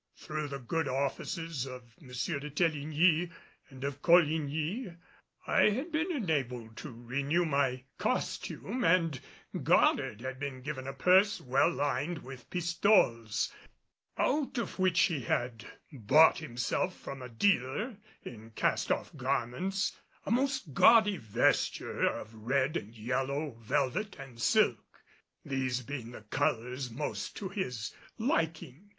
Through the good offices of M. de Teligny, and of Coligny, I had been enabled to renew my costume; and Goddard had been given a purse well lined with pistoles, out of which he had bought himself from a dealer in cast off garments a most gaudy vesture of red and yellow velvet and silk, these being the colors most to his liking.